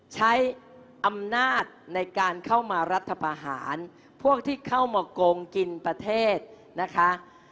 ใช้อำนาจในการเข้ามารัฐประหารพวกที่เข้ามาโกงกินประเทศนะคะ